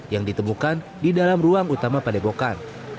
yang ditemukan di dalam ruang utama pada epokan